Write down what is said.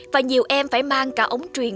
và nhiều em phải mang cả ống truyền